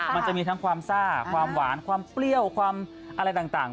มันจะมีทั้งความซ่าความหวานความเปรี้ยวความอะไรต่าง